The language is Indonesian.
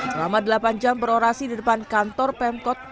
selama delapan jam berorasi di depan kantor pemkot